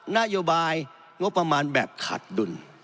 นโยบายงบประมาณแบบขาดดุล